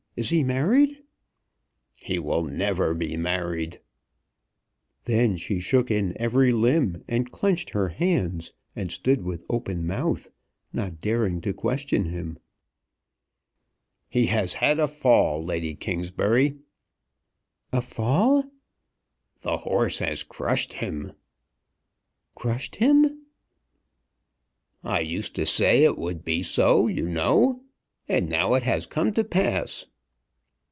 Is he married?" "He will never be married." Then she shook in every limb, and clenched her hands, and stood with open mouth, not daring to question him. "He has had a fall, Lady Kingsbury." "A fall!" "The horse has crushed him." "Crushed him!" "I used to say it would be so, you know. And now it has come to pass."